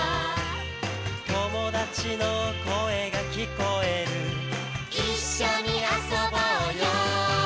「友達の声が聞こえる」「一緒に遊ぼうよ」